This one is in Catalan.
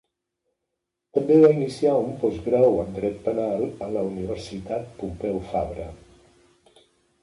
També va iniciar un postgrau en Dret penal a la Universitat Pompeu Fabra.